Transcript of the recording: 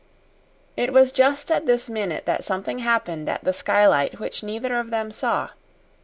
It was just at this minute that something happened at the skylight which neither of them saw.